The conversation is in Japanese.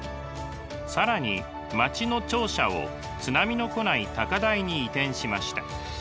更に町の庁舎を津波の来ない高台に移転しました。